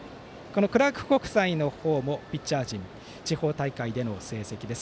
クラーク国際のピッチャー陣の地方大会での成績です。